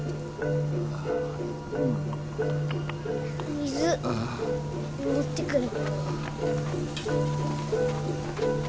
水もってくる。